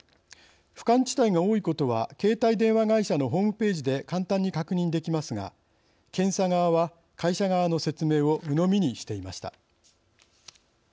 不感地帯が多いことは携帯電話会社のホームページで簡単に確認できますが検査側は会社側の説明をうのみにしていました。